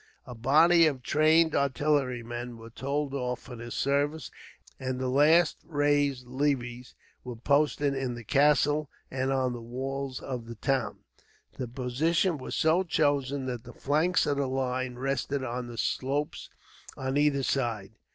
A body of trained artillerymen were told off for this service, and the last raised levies were posted in the castle and on the walls of the town. The position was so chosen that the flanks of the line rested on the slopes on either side.